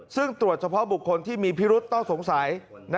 ซึ่งตรวจเฉพาะบุคคลที่มีพิรุษต้องสงสัย